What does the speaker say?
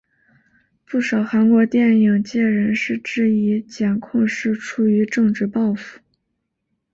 不少韩国电影界人士质疑检控是出于政治报复。